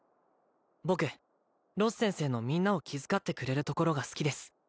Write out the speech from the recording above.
僕ロス先生のみんなを気遣ってくれるところが好きです